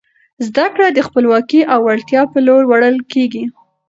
زده کړه د خپلواکۍ او وړتیا په لور وړل کیږي.